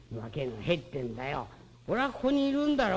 俺はここにいるんだよ。